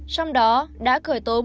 trong đó đã khởi tố một sáu mươi sáu